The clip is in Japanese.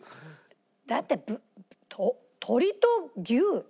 だって鶏と牛？